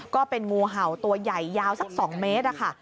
ก็เป็นงูเห่าตัวใหญ่ยาวสัก๒เมตรค่ะ